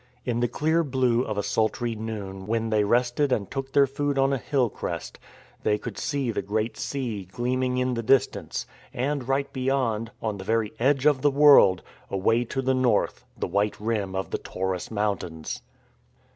In the clear blue of a sultry noon when they rested and took their food on a hill crest, they could see the Great Sea gleaming in the distance, and, right beyond, on the very edge of the world, away to the north, the white >rim of the Taurus mountains.